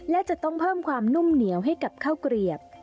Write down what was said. และจะต้องเพิ่มความนุ่มเหนียวให้กับข้าวเกลียบ